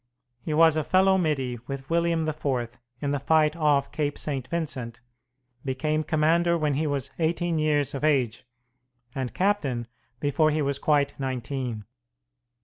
He was a fellow middy with William IV in the fight off Cape St. Vincent, became commander when he was eighteen years of age, and captain before he was quite nineteen.